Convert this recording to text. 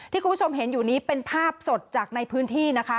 คุณผู้ชมเห็นอยู่นี้เป็นภาพสดจากในพื้นที่นะคะ